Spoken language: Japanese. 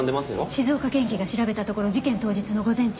静岡県警が調べたところ事件当日の午前中